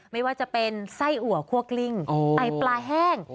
ไม่ว่าจะเป็นไส้อัวคั่วกลิ้งไตปลาแห้ง